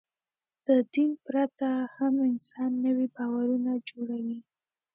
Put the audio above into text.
د دین پرته هم انسان نوي باورونه جوړوي.